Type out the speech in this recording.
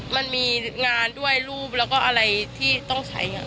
มันมีงานด้วยรูปแล้วก็อะไรที่ต้องใช้